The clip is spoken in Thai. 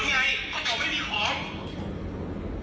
ก็บอกไม่มีของ